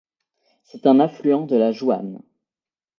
C'est un affluent de la Jouanne.